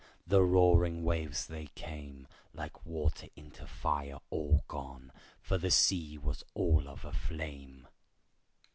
The roaring waves they came, Like water into fire all gone, For the sea was all of a flame.